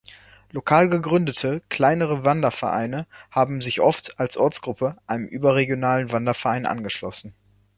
Lokal gegründete, kleinere Wandervereine haben sich oft als Ortsgruppe einem überregionalen Wanderverein angeschlossen.